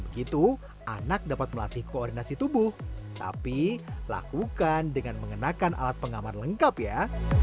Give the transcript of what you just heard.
begitu anak dapat melatih koordinasi tubuh tapi lakukan dengan mengenakan alat pengaman lengkap ya